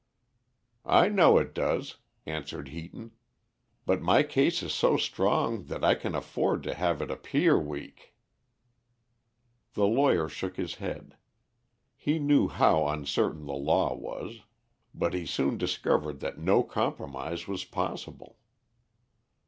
"I know it does," answered Heaton. "But my case is so strong that I can afford to have it appear weak." The lawyer shook his head. He knew how uncertain the law was. But he soon discovered that no compromise was possible.